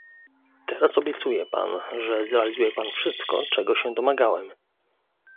Teraz obiecuje pan, że zrealizuje pan wszystko, czego się domagałem